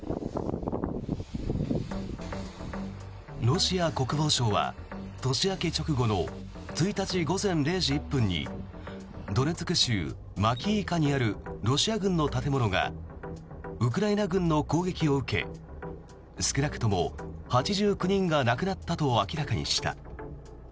ロシア国防省は年明け直後の１日午前０時１分にドネツク州マキイーカにあるロシア軍の建物がウクライナ軍の攻撃を受け少なくとも８９人が亡くなったと明らかにした。